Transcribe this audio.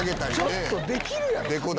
ちょっとできるやろ。